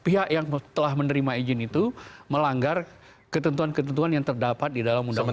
pihak yang telah menerima izin itu melanggar ketentuan ketentuan yang terdapat di dalam undang undang